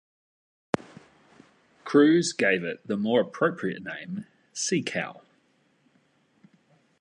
Crews gave it the more appropriate name "Sea Cow".